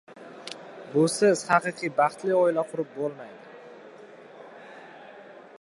Busiz haqiqiy baxtli oila qurib bo‘lmaydi.